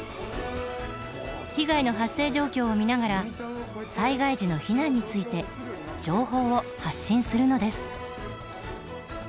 被害の発生状況を見ながら災害時の避難について情報を発信するのです。